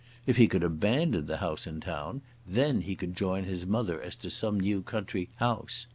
If he could abandon the house in town, then he could join his mother as to some new country house.